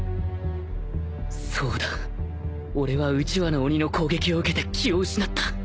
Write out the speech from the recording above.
そうだ俺はうちわの鬼の攻撃を受けて気を失った